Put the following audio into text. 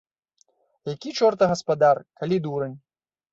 Які чорта гаспадар, калі дурань?